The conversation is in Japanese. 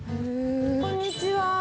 こんにちは。